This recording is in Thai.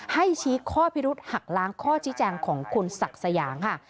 ให้ชี้ข้อพิรุษหักล้างข้อชี้แจงของคุณศักดิ์สยามค่ะ